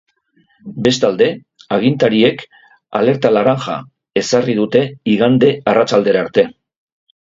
Bestalde, agintariek alerta laranja ezarri dute igande arratsaldera arte.